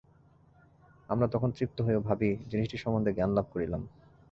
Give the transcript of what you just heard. আমরা তখন তৃপ্ত হই ও ভাবি, জিনিষটি সম্বন্ধে জ্ঞানলাভ করিলাম।